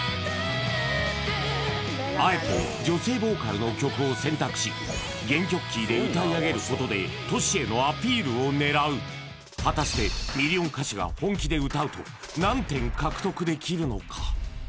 あの虹を渡ってあえて原曲キーで歌い上げることでＴｏｓｈｌへのアピールを狙う果たしてミリオン歌手が本気で歌うと何点獲得できるのか？